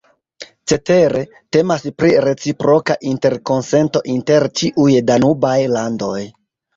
Cetere, temas pri reciproka interkonsento inter ĉiuj danubaj landoj.